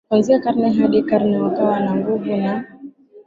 Kuanzia karne hadi karne wakawa na nguvu na